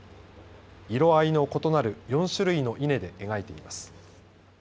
色合いの異なる４種類の稲で描いています。